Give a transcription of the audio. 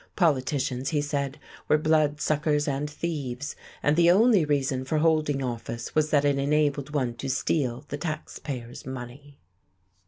Politicians, he said, were bloodsuckers and thieves, and the only reason for holding office was that it enabled one to steal the taxpayers' money....